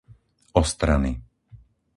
Ostrany